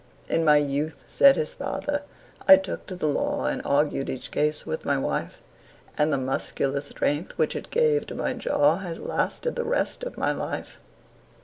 "In my youth," said his fater, "I took to the law, And argued each case with my wife; And the muscular strength, which it gave to my jaw, Has lasted the rest of my life."